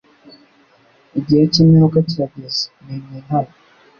igihe kimperuka kirageze ni mwihane